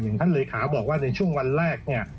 ท่านเลขาบอกว่าในช่วงวันแรกเนี่ย